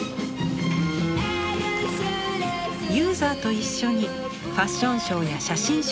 ユーザーと一緒にファッションショーや写真集を制作してきました。